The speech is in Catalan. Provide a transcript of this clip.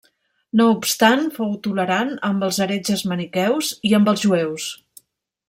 No obstant fou tolerant amb els heretges maniqueus i amb els jueus.